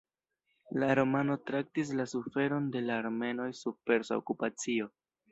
La romano traktis la suferon de la armenoj sub persa okupacio.